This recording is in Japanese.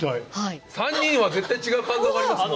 ３人は絶対違う感動がありますもん。